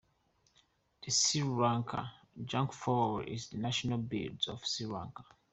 The Sri Lankan junglefowl is the national bird of Sri Lanka.